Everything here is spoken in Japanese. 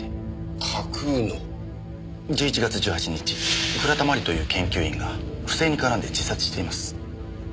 １１月１８日倉田真理という研究員が不正に絡んで自殺しています。